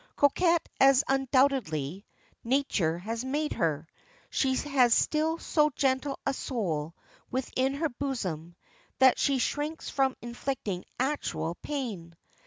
Coquette as undoubtedly Nature has made her, she has still so gentle a soul within her bosom that she shrinks from inflicting actual pain.